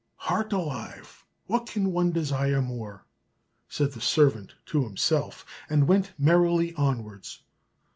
"Heart alive! What can one desire more?" said the servant to himself, and went merrily onwards.